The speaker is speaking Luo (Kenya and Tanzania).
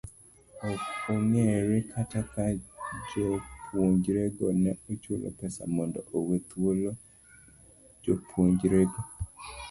Ok ongere kata ka jopunjorego ne ochul pesa mondo owe thuolo jopuonjrego.